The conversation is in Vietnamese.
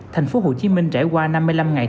thành phố hồ chí minh trải qua năm mươi năm ngày